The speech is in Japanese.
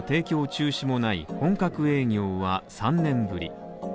中止もない本格営業は３年ぶり。